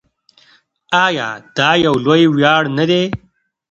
آیا دا یو لوی ویاړ نه دی؟